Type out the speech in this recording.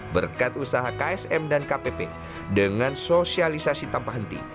berkat usaha ksm dan kpp dengan sosialisasi tanpa henti